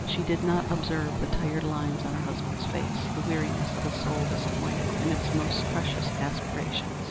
She did not observe the tired lines on her husband's face the weariness of a soul disappointed in its most precious aspirations.